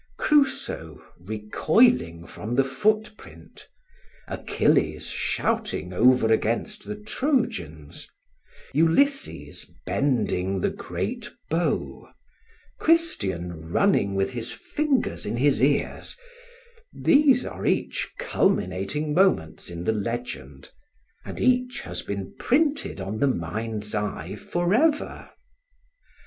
Crusoe recoiling from the footprint, Achilles shouting over against the Trojans, Ulysses bending the great bow, Christian running with his fingers in his ears, these are each culminating moments in the legend, and each has been printed on the mind's eye forever.